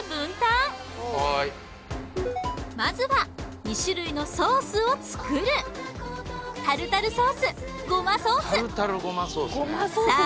まずは２種類のソースを作るタルタルソースゴマソースさあ